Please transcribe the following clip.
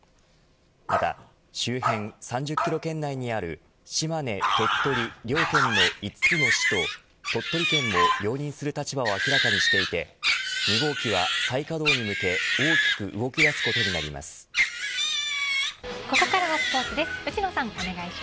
また周辺３０キロ圏内にある島根、鳥取両県の５つの市と鳥取県も容認する立場を明らかにしていて２号機は再稼働に向けここからスポーツです。